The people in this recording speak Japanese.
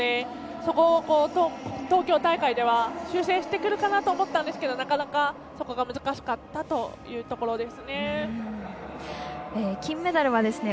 そこを東京大会では修正していこうと思ったんですけど、なかなかそこが難しかったというところです。